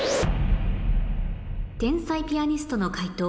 天才ピアニストの解答